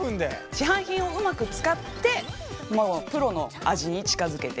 市販品をうまく使ってプロの味に近づけて。